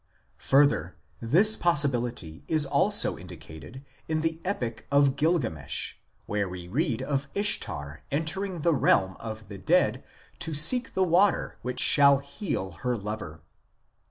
8 Further, this possibility is also indicated in the Epic of Gilgamesh, where we read of Ishtar entering the realm of the dead to seek the water which shall heal her lover.